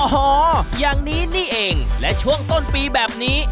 โอ้โหอย่างนี้นี่เองและช่วงต้นปีแบบนี้